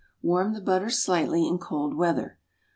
Warm the butter slightly in cold weather.